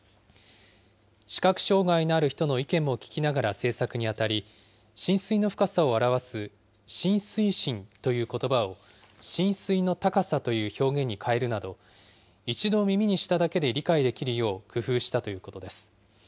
視覚障害のある人の意見も聞きながら制作に当たり、浸水の深さを表す浸水深ということばを浸水の高さという表現に変えるなど、一度耳にしただけで理解できるよう工夫したということです。